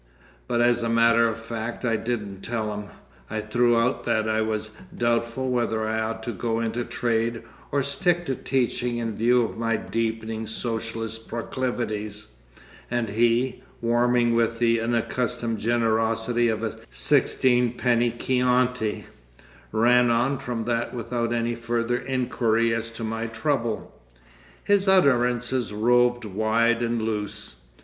But as a matter of fact I didn't tell him. I threw out that I was doubtful whether I ought to go into trade, or stick to teaching in view of my deepening socialist proclivities; and he, warming with the unaccustomed generosity of a sixteen penny Chianti, ran on from that without any further inquiry as to my trouble. His utterances roved wide and loose.